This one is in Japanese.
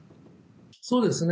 そうですね。